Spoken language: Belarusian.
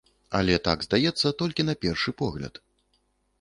Але так здаецца толькі на першы погляд.